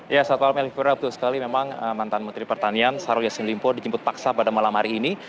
ya saat malam elvira betul sekali memang mantan menteri pertanian syahrul yassin limpo dijemput paksa pada malam hari ini